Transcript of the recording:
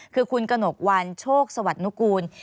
คือคุณกนกวัลโชคสวัสดิ์นุกูล